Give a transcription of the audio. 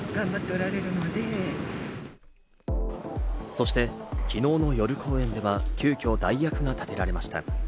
そして昨日の夜公演では急きょ代役が立てられました。